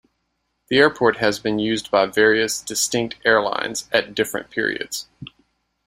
The airport has been used by various distinct airlines at different periods.